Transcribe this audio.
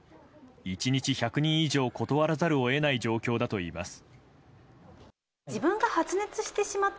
１日１００人以上断らざるを得ない状況だといいます。